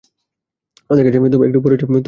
আমাদের কাছ তাদের জন্য একটি উপহার আছে, তুমি এখনো আছো?